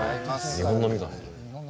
日本のみかん。